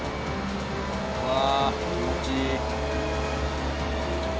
うわあ気持ちいい。